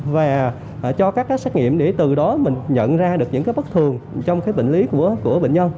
và cho các xét nghiệm để từ đó mình nhận ra được những bất thường trong bệnh lý của bệnh nhân